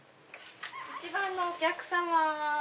１番のお客様。